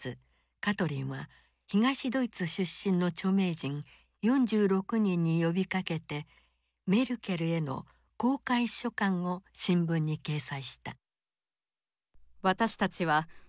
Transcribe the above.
カトリンは東ドイツ出身の著名人４６人に呼びかけてメルケルへの公開書簡を新聞に掲載した。